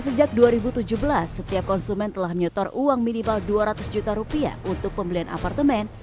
sejak dua ribu tujuh belas setiap konsumen telah menyetor uang minimal dua ratus juta rupiah untuk pembelian apartemen